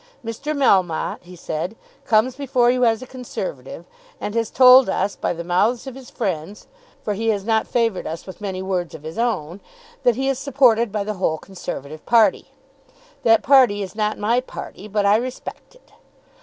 "Mr. Melmotte," he said, "comes before you as a Conservative, and has told us, by the mouths of his friends, for he has not favoured us with many words of his own, that he is supported by the whole Conservative party. That party is not my party, but I respect it.